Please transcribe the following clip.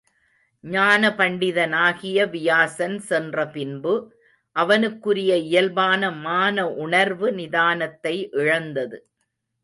ஞானபண்டிதனாகிய வியாசன் சென்ற பின்பு அவனுக்குரிய இயல்பான மான உணர்வு நிதானத்தை இழந்தது.